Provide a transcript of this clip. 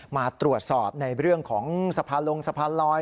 มาตรวจสอบในเรื่องของสะพานลงสะพานลอย